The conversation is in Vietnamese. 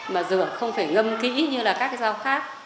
mà rửa không phải ngâm kỹ như là các rau khác